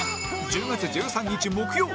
１０月１３日木曜